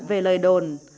về lời đồn